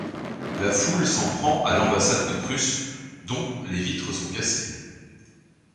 La foule s'en prend à l'ambassade de Prusse, dont les vitres sont cassées.